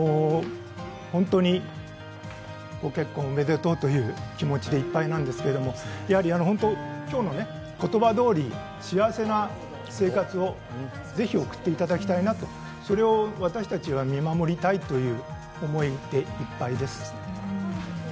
本当に、ご結婚おめでとうという気持ちでいっぱいなんですけどやはり今日の言葉どおり、幸せな生活をぜひ送っていただきたいなとそれを私たちは見守りたいという思いでいっぱいです。